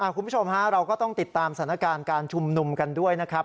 คุณผู้ชมฮะเราก็ต้องติดตามสถานการณ์การชุมนุมกันด้วยนะครับ